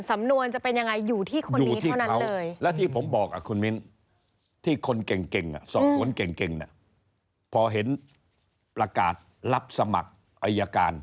สำนวนจะเป็นยังไง